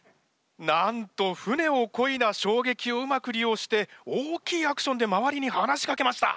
なんと船をこいだしょうげきをうまく利用して大きいアクションで周りに話しかけました！